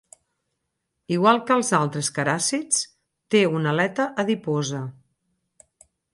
Igual que els altres caràcids, té una aleta adiposa.